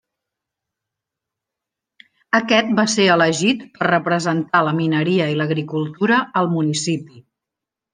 Aquest va ser elegit per representar la mineria i l'agricultura al municipi.